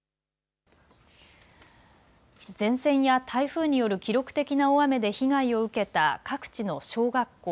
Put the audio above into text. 前線や台風による記録的な大雨で被害を受けた各地の小学校。